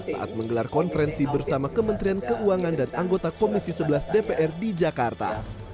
saat menggelar konferensi bersama kementerian keuangan dan anggota komisi sebelas dpr di jakarta